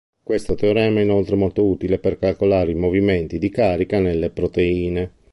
Questo teorema è inoltre molto utile per calcolare i movimenti di carica nelle proteine.